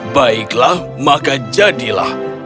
baiklah maka jadilah